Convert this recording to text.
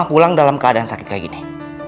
pulang dalam keadaan sakit kayak gini